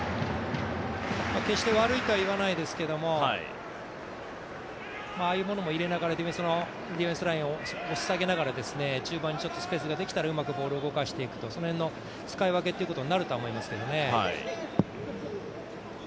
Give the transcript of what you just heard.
決して悪いとはいわないですけどああいうものも入れながらディフェンスラインを押し下げながら中盤にスペースができたらうまくボールを動かしていくとその辺の使い分けということになるとは思いますけどね。